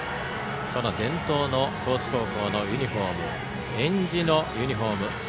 伝統の高知高校のユニフォームえんじのユニフォーム。